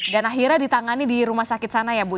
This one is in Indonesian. dan akhirnya ditangani di rumah sakit sana ya ibu ya